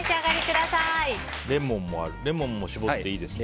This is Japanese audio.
レモンも搾っていいですかね。